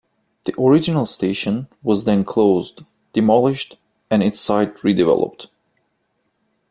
The original station was then closed, demolished and its site redeveloped.